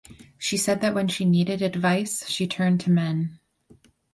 She said that when she needed advice she turned to men.